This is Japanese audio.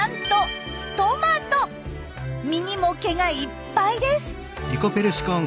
実にも毛がいっぱいです。